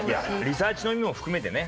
リサーチの意味も含めてね。